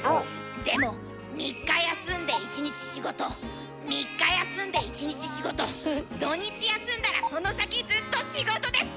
でも３日休んで１日仕事３日休んで１日仕事土日休んだらその先ずっと仕事です！